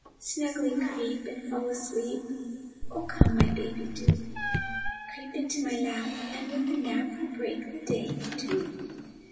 Snugly creep and fall asleep, Oh, come, my baby, do; Creep into my lap, and with a nap We'll break the day in two.